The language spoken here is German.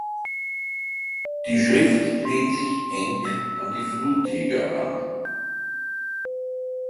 Die Schrift lehnt sich eng an die "Frutiger" an.